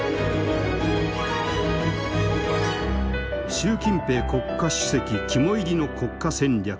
習近平国家主席肝煎りの国家戦略